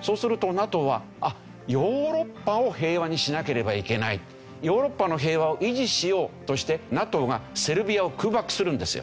そうするとＮＡＴＯはヨーロッパを平和にしなければいけないヨーロッパの平和を維持しようとしてＮＡＴＯがセルビアを空爆するんですよ。